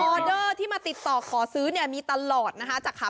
ออเดอร์ที่มาติดต่อขอซื้อนี่มีตลอดนะฮะ